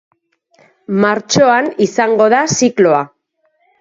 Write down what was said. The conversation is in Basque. Martxoan izango da zikloa.